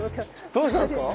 どうしたんですか？